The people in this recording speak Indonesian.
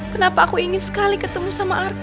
kenapa aku ingin sekali ketemu sama arka